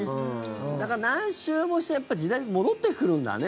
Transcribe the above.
だから、何周もして時代が戻ってくるんだね。